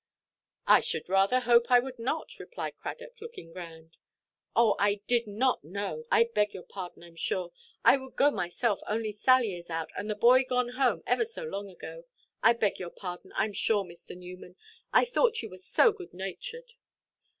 "I should rather hope I would not," replied Cradock, looking grand. "Oh, I did not know. I beg your pardon, Iʼm sure. I would go myself, only Sally is out, and the boy gone home ever so long ago. I beg your pardon, Iʼm sure, Mr. Newman; I thought you were so good–natured."